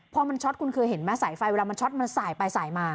พอมันช็อตคุณเคยเห็นไหมสายไฟเวลามันช็อตมันสายไปสายมา